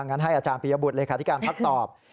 งั้นให้อาจารย์ปียบุตรเลขาธิการพักตอบ